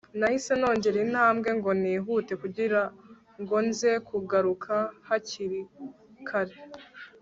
nahise nongera intambwe ngo nihute kugirango nze kugaruka hakiri kare